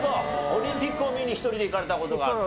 オリンピックを見に１人で行かれた事がある。